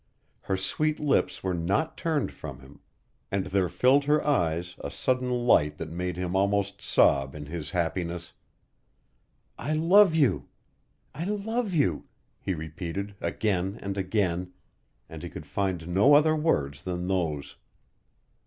Her sweet lips were not turned from him, and there filled her eyes a sudden light that made him almost sob in his happiness. "I love you, I love you," he repeated, again and again, and he could find no other words than those.